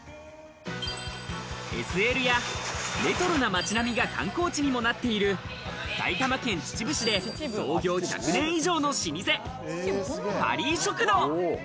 ＳＬやレトロな街並みが観光地にもなっている埼玉県秩父市で創業１００年以上の老舗、パリー食堂。